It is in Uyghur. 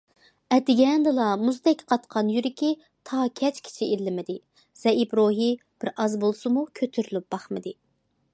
ئەتىگەندىلا مۇزدەك قاتقان يۈرىكى تا كەچكىچە ئىللىمىدى، زەئىپ روھى بىرئاز بولسىمۇ كۆتۈرۈلۈپ باقمىدى.